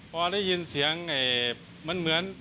พอได้ยินเสียงมันเหมือน